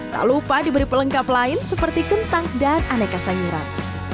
tak lupa diberi pelengkap lain seperti kentang dan aneka sayuran